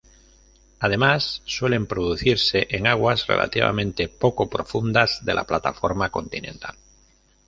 Además, suelen producirse en aguas relativamente poco profundas de la plataforma continental.